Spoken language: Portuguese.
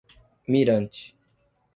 Mirante